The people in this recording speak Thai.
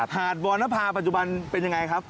หาดวอนภาพปัจจุบันเป็นอย่างไรครับ